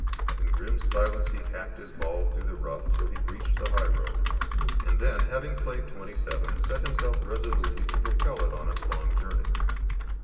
In grim silence he hacked his ball through the rough till he reached the high road; and then, having played twenty seven, set himself resolutely to propel it on its long journey.